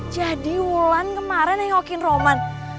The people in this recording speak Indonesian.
jadi elalan kemarin yang ngokin roman